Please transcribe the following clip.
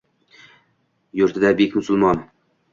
Yurtida bek — musulmon».